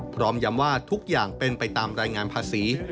พร้อมย้ำว่าทุกอย่างเป็นไปตามรายงานภาษี